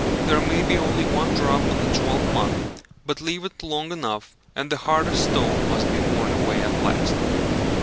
There may be only one drop in a twelvemonth, but leave it long enough, and the hardest stone must be worn away at last.